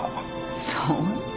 そんな。